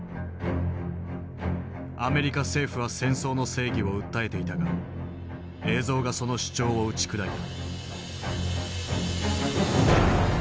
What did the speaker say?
アメリカ政府は戦争の正義を訴えていたが映像がその主張を打ち砕いた。